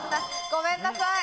ごめんなさい。